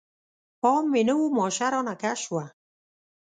پام مې نه و، ماشه رانه کش شوه.